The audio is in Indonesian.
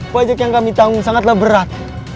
pajak yang kami tanggung sangatlah berat